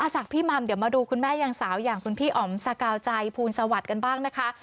จากพี่มัมเดี๋ยวมาดูคุณแม่ยังสาวอย่างคุณพี่อ๋อมสกาวใจภูลสวัสดิ์กันบ้างนะคะ